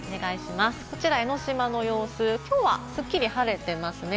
こちら、江の島の様子、きょうはすっきり晴れてますね。